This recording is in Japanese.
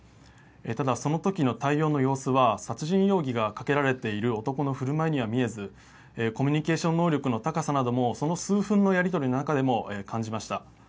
ただ、その時の対応の様子は殺人容疑がかけられている男の振る舞いには見えずコミュニケーション能力の高さなどもその数分のやり取りの中でも感じました。